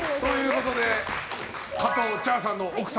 加藤茶さんの奥様